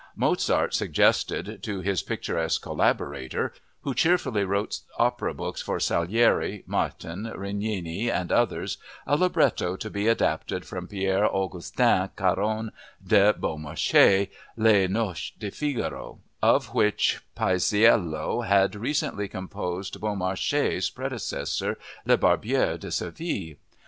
Mozart suggested to his picturesque collaborator (who cheerfully wrote opera books for Salieri, Martin, Righini, and others) a libretto to be adapted from Pierre Augustin Caron de Beaumarchais' Les Noces de Figaro, of which Paisiello had recently composed Beaumarchais' predecessor, Le Barbier de Seville.